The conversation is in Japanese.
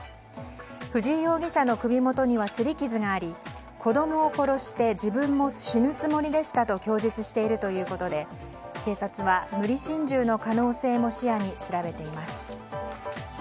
藤井容疑者の首元には擦り傷があり子供を殺して自分も死ぬつもりでしたと供述しているということで警察は無理心中の可能性も視野に調べています。